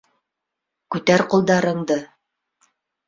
Күтәр ҡулдарыңды!